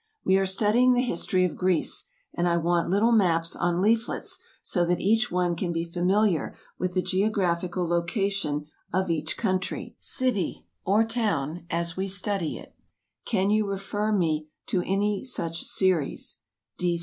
We are studying the history of Greece, and I want little maps on leaflets so that each one can be familiar with the geographical location of each country, city, or town, as we study it. Can you refer me to any such series?